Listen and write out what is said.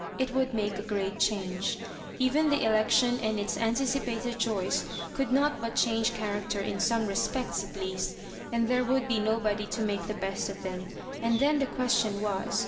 It would make a great changa Even the election and its anticipated joys could not but change character in some respects at least, and there would be nobody to make the best of them ; and then the question was.